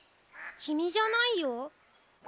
きみじゃないよ。